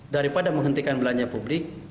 daripada menghentikan belanja publik